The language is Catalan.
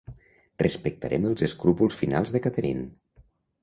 Respectarem els escrúpols filials de Catherine.